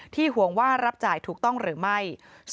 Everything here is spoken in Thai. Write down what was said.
ห่วงว่ารับจ่ายถูกต้องหรือไม่